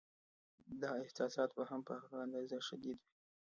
دا احساسات به هم په هغه اندازه شدید وي.